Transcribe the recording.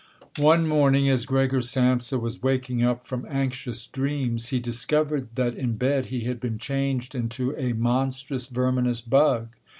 One morning, as Gregor Samsa was waking up from anxious dreams, he discovered that in bed he had been changed into a monstrous verminous bug.